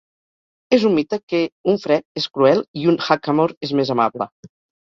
És un mite que un fre és cruel i un hackamore és més amable.